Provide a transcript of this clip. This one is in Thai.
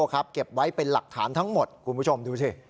เก็บไว้เป็นหลักฐานทั้งหมดคุณผู้ชมดูสิ